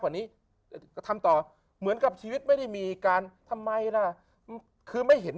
กว่านี้จะทำต่อเหมือนกับชีวิตไม่ได้มีการทำไมล่ะคือไม่เห็น